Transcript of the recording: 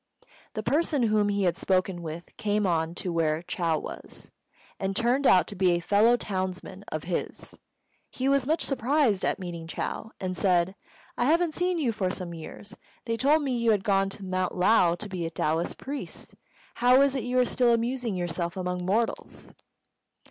The person whom he had spoken with came on to where Chou was, and turned out to be a fellow townsman of his. He was much surprised at meeting Chou, and said, "I haven't seen you for some years. They told me you had gone to Mount Lao to be a Taoist priest. How is it you are still amusing yourself among mortals?"